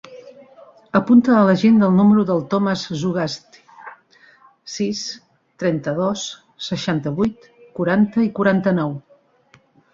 Apunta a l'agenda el número del Thomas Zugasti: sis, trenta-dos, seixanta-vuit, quaranta, quaranta-nou.